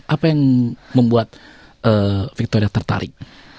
apa yang membuat victoria tertarik